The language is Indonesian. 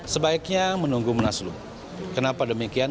sebaiknya menunggu munaslu kenapa demikian